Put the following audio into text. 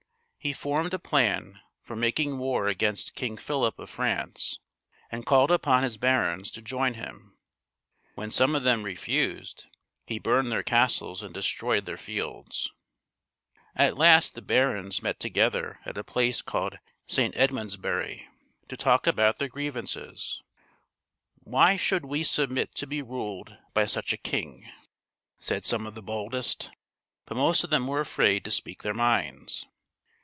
He formed a plan for making war against King Philip of France, and called upon his barons to join him. When some of them refused, he burned their castles and destroyed their fields. At last the barons met together at a place called St. Edmundsbuiy to talk about their grievances. " Why should we submit to be ruled by such a king ?" said some of the boldest. But most of them were afraid to speak their minds.